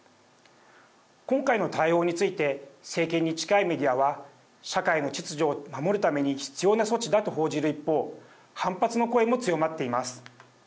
今回の対応について政権に近いメディアは社会の秩序を守るために必要な措置だと報じる一方反発の声も強まっています。